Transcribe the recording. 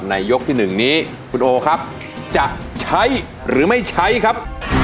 ยกที่๑นี้คุณโอครับจะใช้หรือไม่ใช้ครับ